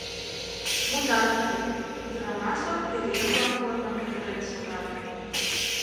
Мутат уке, ӱдырамашлан пӧръеҥ-влак корным петырен шогат.